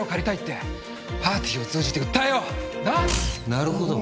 なるほど。